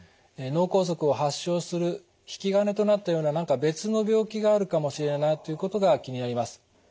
脳梗塞を発症する引き金となったような何か別の病気があるかもしれないということが気になります。